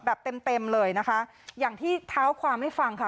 แบบเต็มเต็มเลยนะคะอย่างที่เท้าความให้ฟังค่ะ